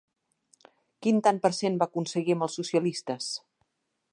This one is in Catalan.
Quin tant per cent va aconseguir amb els socialistes?